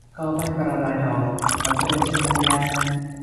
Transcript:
ก็ไม่กระไรดอก มันก็เป็นเช่นนั้นแล